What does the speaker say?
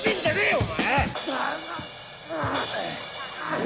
お前！